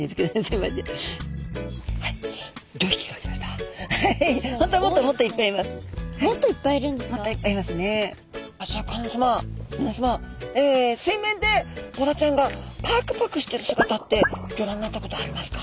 みなさま水面でボラちゃんがパクパクしている姿ってギョらんになったことありますか？